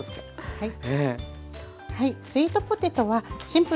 はい。